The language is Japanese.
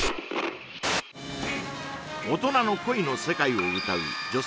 大人の恋の世界を歌う女性